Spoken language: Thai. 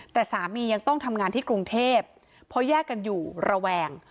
แต่สามียังต้องทำงานที่กรุงเทพเพราะแยกกันอยู่ระแวง